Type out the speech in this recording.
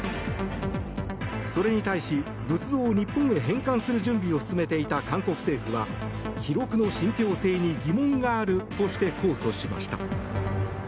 それに対し、仏像を日本へ返還する準備を進めていた韓国政府は記録の信ぴょう性に疑問があるとして控訴しました。